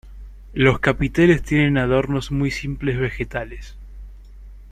Los capiteles tienen adornos muy simples vegetales.